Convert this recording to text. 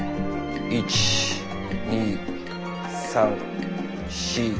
１２３４５。